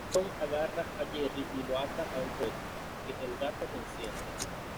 Tom agarra a Jerry y lo ata a un cohete, que el gato enciende.